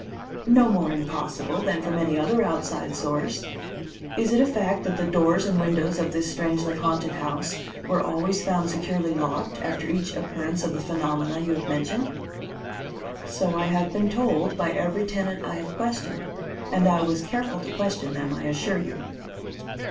"No more impossible than from any other outside source. Is it a fact that the doors and windows of this strangely haunted house were always found securely locked after each occurrence of the phenomena you have mentioned?" "So I have been told by every tenant I have questioned, and I was careful to question them, I assure you."